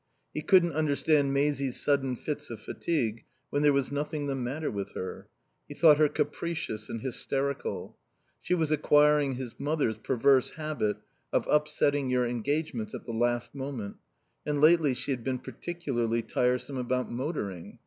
He couldn't understand Maisie's sudden fits of fatigue when there was nothing the matter with her. He thought her capricious and hysterical. She was acquiring his mother's perverse habit of upsetting your engagements at the last moment; and lately she had been particularly tiresome about motoring.